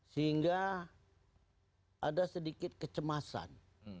sehingga ada sedikit kecemasan